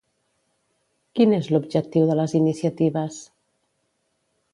Quin és l'objectiu de les iniciatives?